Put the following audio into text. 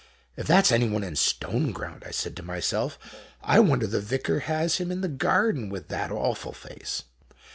If that's anyone in Stoneground, I said to myself, I wonder the Vicar has him in the garden with that awful face.